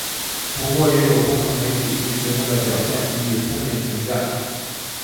不过也有部分媒体对节目的表现予以负面评价。